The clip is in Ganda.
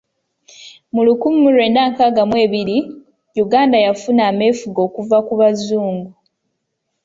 Mu lukumi mu lwenda ngaaga mu ebiri, Uganda yafuna ameefuga okuva ku bazungu.